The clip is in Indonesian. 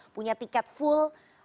punya tiket full